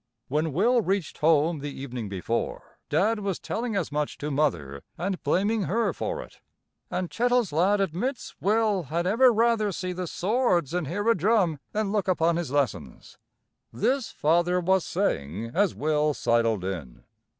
When Will reached home the evening before, Dad was telling as much to Mother and blaming her for it. "An' Chettle's lad admits Will had ever rather see the swords an' hear a drum than look upon his lessons " This Father was saying as Will sidled in.